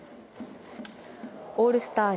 オールスター